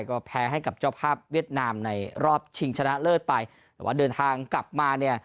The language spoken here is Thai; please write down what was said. ก็แพ้ให้กับเจ้าภาพเวียดนามในรอบชิงชนะเลิศไปแต่ว่าเดินทางกลับมาเนี่ย